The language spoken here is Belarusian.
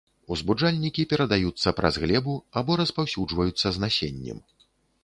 Узбуджальнікі перадаюцца праз глебу або распаўсюджваюцца з насеннем.